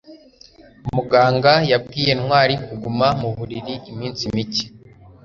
muganga yabwiye ntwali kuguma mu buriri iminsi mike